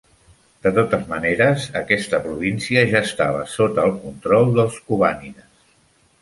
De totes maneres, aquesta província ja estava sota el control dels Cubànides.